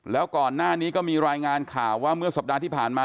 แล้วก่อนหน้านี้ก็มีรายงานข่าวว่าเมื่อสัปดาห์ที่ผ่านมา